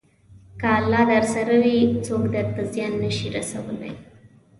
که الله درسره وي، څوک درته زیان نه شي رسولی.